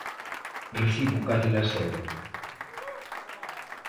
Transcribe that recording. Recibe o Cadi La Seu.